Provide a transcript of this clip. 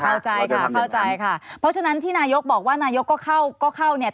เข้าใจค่ะเพราะฉะนั้นที่นายกบอกว่านายกก็เข้าเนี่ย